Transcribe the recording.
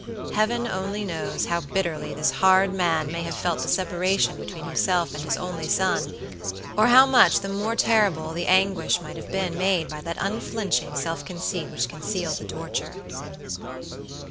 Heaven only knows how bitterly this hard man may have felt the separation between himself and his only son, or how much the more terrible the anguish might have been made by that unflinching self conceit which concealed the torture.